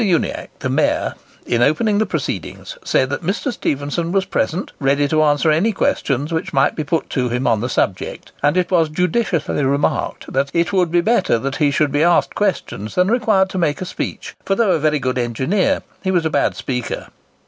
Uniacke, the Mayor, in opening the proceedings, said that Mr. Stephenson was present, ready to answer any questions which might be put to him on the subject; and it was judiciously remarked that "it would be better that he should be asked questions than required to make a speech; for, though a very good engineer, he was a bad speaker."